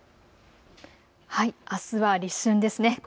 あすは立春ですね。